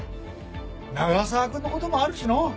永沢君のこともあるしの。